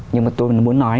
nhưng mà tôi muốn nói